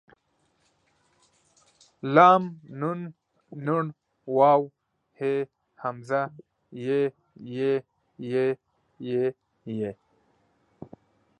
ل م ن ڼ و ه ء ی ي ې ۍ ئ